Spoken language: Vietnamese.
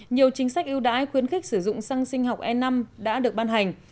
nhiều chính sách ưu đãi khuyến khích sử dụng xăng sinh học e năm đã được ban hành